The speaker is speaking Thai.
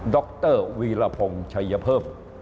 ดรวีรพงษ์ชัยเยอะเพิ่ม